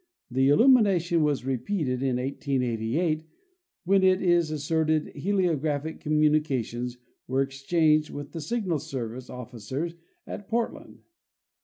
The illumination was repeated in 1888, when it is asserted heliographic communi cations were exchanged with the Signal Service officers at Port land.